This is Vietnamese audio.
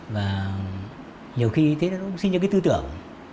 nhiều khi thế nó cũng sinh ra cái tư tưởng